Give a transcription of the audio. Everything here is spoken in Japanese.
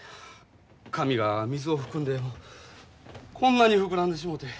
紙が水を含んでこんなに膨らんでしもうて。